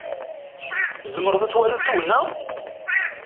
Tzemreḍ ad twaliḍ tugna?